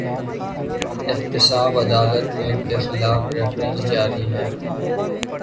احتساب عدالت میں ان کے خلاف ریفرنس جاری ہیں۔